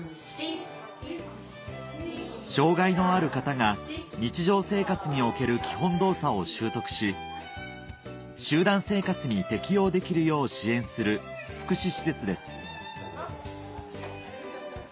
障がいのある方が日常生活における基本動作を習得し集団生活に適応できるよう支援する福祉施設です